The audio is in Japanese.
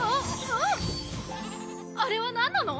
あれは何なの？